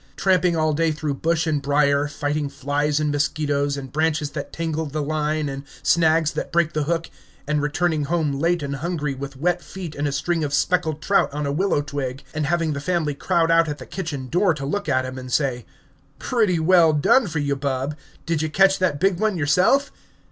Tramping all day through bush and brier, fighting flies and mosquitoes, and branches that tangle the line, and snags that break the hook, and returning home late and hungry, with wet feet and a string of speckled trout on a willow twig, and having the family crowd out at the kitchen door to look at 'em, and say, "Pretty well done for you, bub; did you catch that big one yourself?"